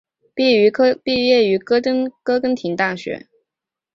毕业于哥廷根大学。